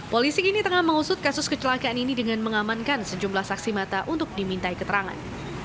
polisi kini tengah mengusut kasus kecelakaan ini dengan mengamankan sejumlah saksi mata untuk dimintai keterangan